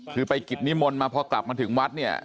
คือไปกิจนิมนต์มาพอกลับมาถึงวัดเนี่ย